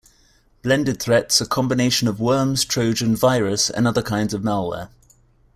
Blended Threats are combination of worms, trojan, virus, and other kinds of malware.